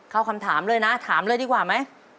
คำถามเลยนะถามเลยดีกว่าไหม